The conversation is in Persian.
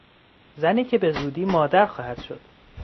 زنی که به زودی مادر خواهد شد